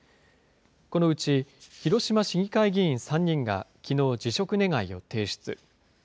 このうち広島市議会議員３人がきのう、辞職願を提出。